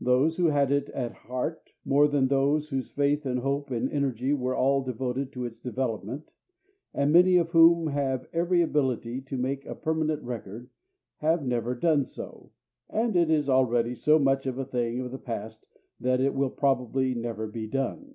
Those who had it at heart more than he whose faith and hope and energy were all devoted to its development, and many of whom have every ability to make a permanent record, have never done so, and it is already so much of a thing of the past that it will probably never be done.